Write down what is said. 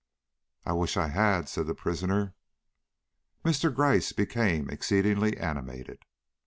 "I wish I had," said the prisoner. Mr. Gryce became exceedingly animated.